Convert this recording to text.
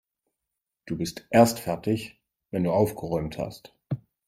Du bist erst fertig, wenn du aufgeräumt hast.